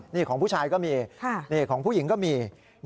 นี่ของผู้ชายก็มีของผู้หญิงก็มี